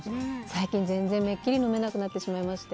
最近、全然めっきり飲めなくなってしまいまして。